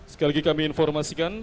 sekali lagi kami informasikan